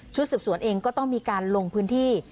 สืบสวนเองก็ต้องมีการลงพื้นที่